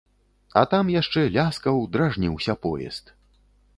А там яшчэ ляскаў, дражніўся поезд.